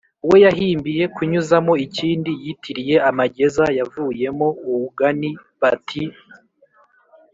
we yahimbiye kunyuzamo ikindi yitiriye amageza yavuyemo uugani bati